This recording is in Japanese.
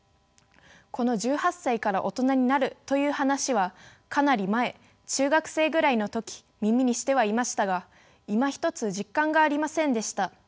この１８歳から大人になるという話はかなり前中学生ぐらいの時耳にしてはいましたがいまひとつ実感がありませんでした。